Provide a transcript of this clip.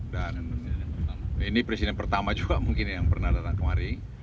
dan ini presiden pertama juga mungkin yang pernah datang kemari